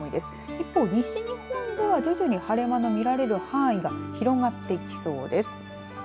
一方、西日本では徐々に晴れ間の見られる範囲が広まってきそうです。